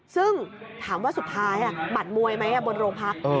ซึ่งถามว่าสุดท้ายบัตรมวยไหมบนโรงพัก